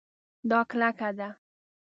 دا کلکه ده